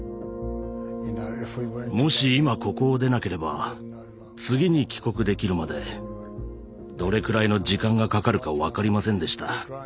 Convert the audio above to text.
もし今ここを出なければ次に帰国できるまでどれくらいの時間がかかるか分かりませんでした。